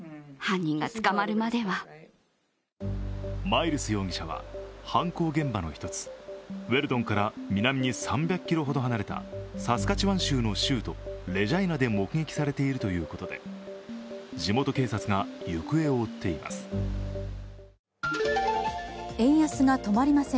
マイルス容疑者は犯行現場の１つウェルドンから南に３００ｋｍほど離れたサスカチワン州の州都、レジャイナで目撃されていたということで地元警察が行方を追っています。